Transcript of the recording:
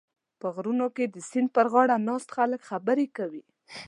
په غرونو کې د سیند پرغاړه ناست خلک خبرې کوي.